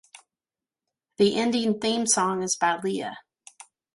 The ending theme song is by Lia.